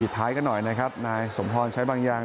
ผิดท้ายกันหน่อยนะครับนายสมธรณ์ชัยบางยาง